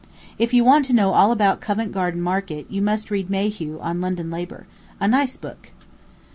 If you want to know all about Covent Garden Market, you must read Mayhew on London Labor a nice book.